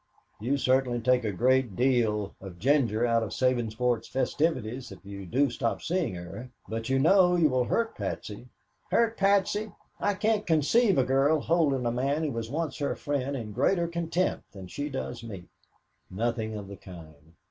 "You certainly will take a good deal of ginger out of Sabinsport's festivities if you do stop seeing her, but you know you will hurt Patsy." "Hurt Patsy! I can't conceive a girl holding a man who was once her friend in greater contempt than she does me." "Nothing of the kind.